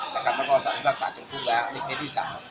มีพราคศาสตร์จงกลุกแล้วนี่เคสที่๓